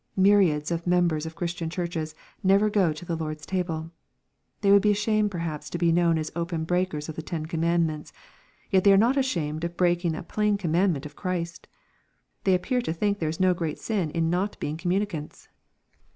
Myriads of members of Christian churches never go to the Lord's table. They would be ashamed perhaps to be known as open breakers of the ten commandments. Yet they are not as^hamed of breaking a plain command of Christ 1 They appear to think there is no great sin in not being communicants.